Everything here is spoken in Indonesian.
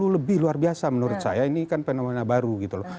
lebih luar biasa menurut saya ini kan fenomena baru gitu loh